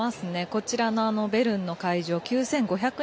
こちらのベルンの会場９５００